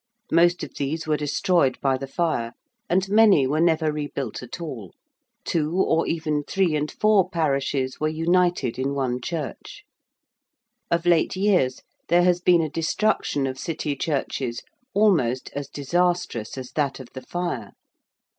Most of these were destroyed by the Fire, and many were never rebuilt at all. Two or even three and four parishes were united in one church. Of late years there has been a destruction of City churches almost as disastrous as that of the Fire.